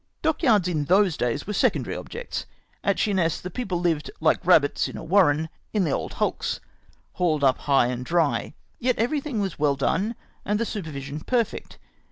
Dockyards in those days were secondary objects. At Sheerness the people hved, like rabbits in a warren, in old hulks, hauled up high and dry ; yet everythmg was weU done, and the supervision perfect.